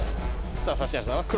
さあ指原さんは黒。